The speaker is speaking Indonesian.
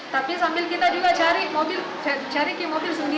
tapi sambil kita juga cari mobil cari ke mobil sendiri